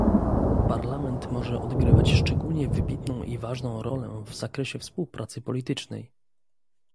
Parlament może odgrywać szczególnie wybitną i ważną rolę w zakresie współpracy politycznej